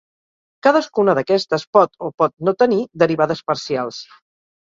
Cadascuna d'aquestes pot o pot no tenir derivades parcials.